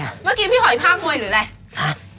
เมื่อกี้พี่หอยภาพมวยหรืออะไร